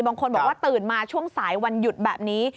บางคนบอกว่าตื่นมาช่วงสายวันหยุดแบบนี้